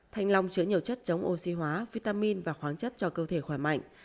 thanh long chứa nhiều chất chống oxy hóa vitamin và khoáng chất cho cơ thể khỏe mạnh